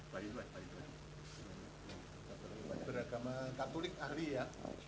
pak irwan beragama katolik ahli ya